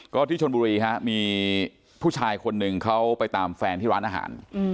ก็ที่ชนบุรีฮะมีผู้ชายคนหนึ่งเขาไปตามแฟนที่ร้านอาหาร